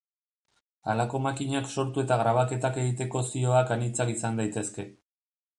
Halako makinak sortu eta grabaketak egiteko zioak anitzak izan daitezke.